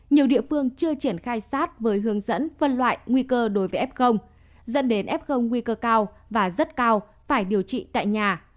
nhiều địa phương chưa triển khai sát với hướng dẫn phân loại nguy cơ đối với f dẫn đến f nguy cơ cao và rất cao phải điều trị tại nhà